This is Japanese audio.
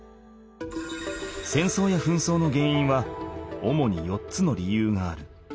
戦争や紛争の原因は主に４つの理由がある。